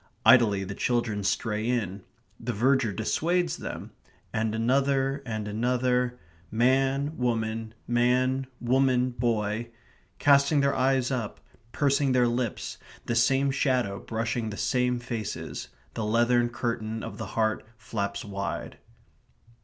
Idly the children stray in the verger dissuades them and another and another ... man, woman, man, woman, boy ... casting their eyes up, pursing their lips, the same shadow brushing the same faces; the leathern curtain of the heart flaps wide.